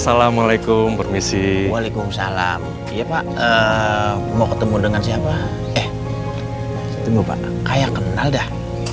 assalamualaikum permisi waalaikumsalam iya pak mau ketemu dengan siapa eh itu bapak kayak kenal dah